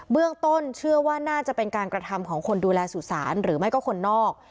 เรื่องต้นเชื่อว่าน่าจะเป็นการกระทำของคนดูแลสุสานหรือไม่ก็คนนอก